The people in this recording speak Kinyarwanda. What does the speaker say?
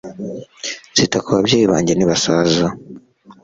nzita ku babyeyi banjye nibasaza